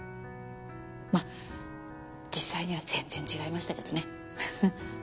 まあ実際には全然違いましたけどね。